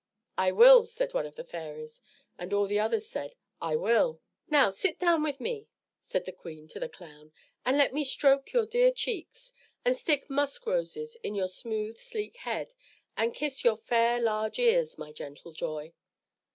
"I will," said one of the fairies, and all the others said, "I will." "Now, sit down with me," said the queen to the clown, "and let me stroke your dear cheeks, and stick musk roses in your smooth, sleek head, and kiss your fair large ears, my gentle joy."